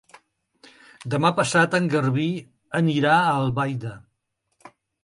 Demà passat en Garbí anirà a Albaida.